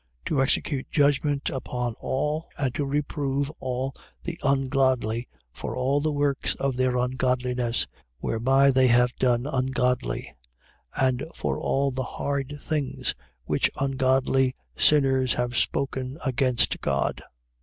To execute judgment upon all and to reprove all the ungodly for all the works of their ungodliness, whereby they have done ungodly: and for all the hard things which ungodly sinners have spoken against God.